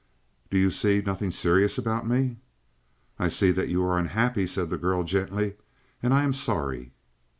"Do you see nothing serious about me?" "I see that you are unhappy," said the girl gently. "And I am sorry."